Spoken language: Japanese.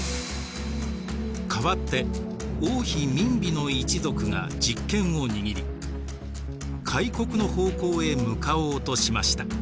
代わって王妃閔妃の一族が実権を握り開国の方向へ向かおうとしました。